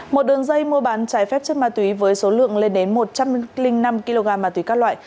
một đường dây mua bán trái phép chất ma túy với số lượng lên đến một trăm linh năm kg ma túy các loại